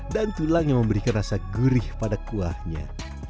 dan tulang yang memberikan rasa gurih pada kuahnya